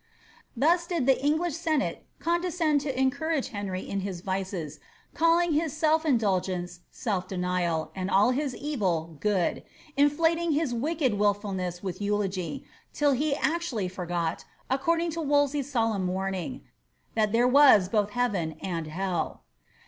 Thus did the English senate condescend to encourage Henry in his rices, calling his self indulgence self denial, and all his evil good ; inflating his wicked wilfulness with eulogy, till he actually forgot, according to Wolsey's solemn warning, "that there was both heaven and hell."